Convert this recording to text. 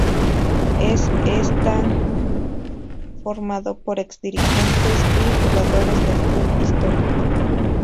Este está formado por ex dirigentes y jugadores del club histórico.